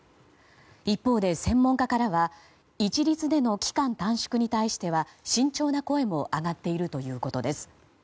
一方で、専門家からは一律での期間短縮に対しては慎重な声も上がっているということです。